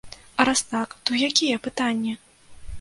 А раз так, то якія пытанні?